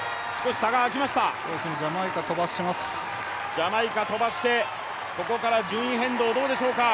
ジャマイカ飛ばしてここから順位変動どうでしょうか？